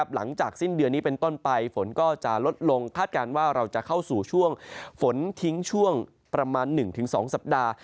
หลังจากสิ้นเดือนนี้เป็นต้นไปฝนก็จะลดลงคาดการณ์ว่าเราจะเข้าสู่ช่วงฝนทิ้งช่วงประมาณ๑๒สัปดาห์